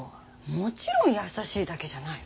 もちろん優しいだけじゃない。